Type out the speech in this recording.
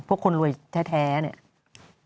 พวกคนรวยแท้นี่